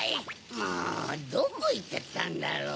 もうどこいっちゃったんだろう。